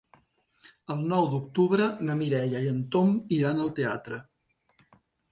El nou d'octubre na Mireia i en Tom iran al teatre.